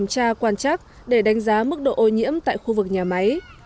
tra quan chắc để đánh giá mức độ ô nhiễm tại khu vực nhà máy